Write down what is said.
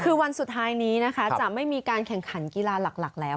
คือวันสุดท้ายนี้นะคะจะไม่มีการแข่งขันกีฬาหลักแล้ว